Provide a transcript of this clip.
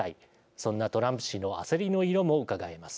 そんなトランプ氏の焦りの色もうかがえます。